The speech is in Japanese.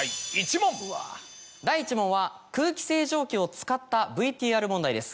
第１問は空気清浄機を使ったＶＴＲ問題です